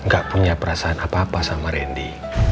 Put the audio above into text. gak punya perasaan apa apa sama randy